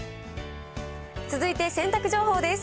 続いて洗濯情報です。